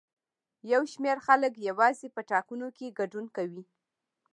یو شمېر خلک یوازې په ټاکنو کې ګډون کوي.